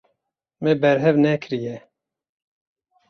Me berhev nekiriye.